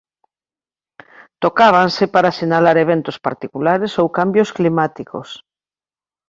Tocábanse para sinalar eventos particulares ou cambios climáticos.